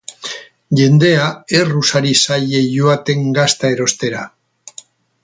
Jendea erruz ari zaie joaten gazta erostera.